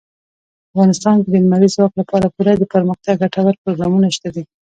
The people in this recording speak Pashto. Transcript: افغانستان کې د لمریز ځواک لپاره پوره دپرمختیا ګټور پروګرامونه شته دي.